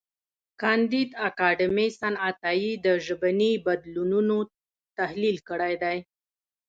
کانديد اکاډميسن عطایي د ژبني بدلونونو تحلیل کړی دی.